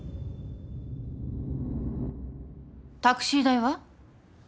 タクシー代は？